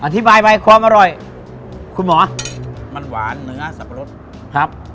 อธิบายไปความอร่อยคุณหมอมันหวานเนื้อสับปะรดครับ